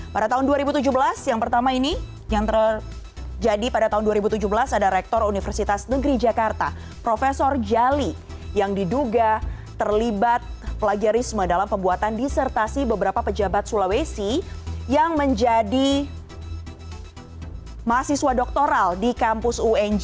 pada tahun dua ribu tujuh belas yang pertama ini yang terjadi pada tahun dua ribu tujuh belas ada rektor universitas negeri jakarta prof jali yang diduga terlibat plagiarisme dalam pembuatan disertasi beberapa pejabat sulawesi yang menjadi mahasiswa doktoral di kampus unj